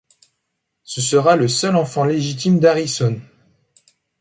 Ce sera le seul enfant légitime d'Harrison.